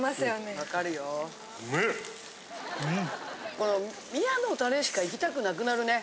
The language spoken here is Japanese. この宮のたれしかいきたくなくなるね。